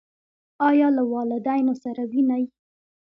ایا له والدینو سره وینئ؟